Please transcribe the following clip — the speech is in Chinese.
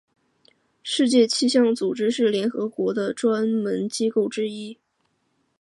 世界气象组织是联合国的专门机构之一。